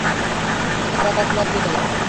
একটা চারাগাছ লাগিয়ে যা।